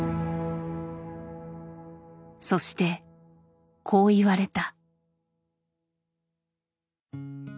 そしてこう言われた。